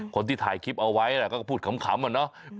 คนที่ถ่ายคลิปเอาไว้ก็พูดขำอะเนาะ